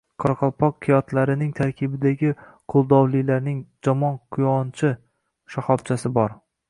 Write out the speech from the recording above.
Qoraqalpoq qiyatlarining tarkibidagi qo‘ldovlilarning jomon quyonchi shoxobchasi bor.